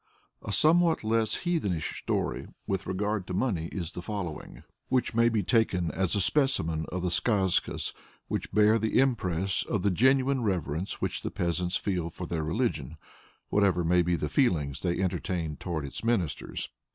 A somewhat less heathenish story with regard to money is the following, which may be taken as a specimen of the Skazkas which bear the impress of the genuine reverence which the peasants feel for their religion, whatever may be the feelings they entertain towards its ministers.